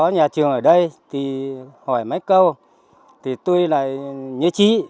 có nhà trường ở đây thì hỏi mấy câu thì tôi lại nhớ trí